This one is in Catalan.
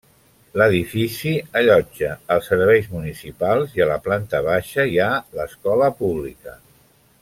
L'edifici allotja els serveis municipals i a la planta baixa hi ha l'escola pública.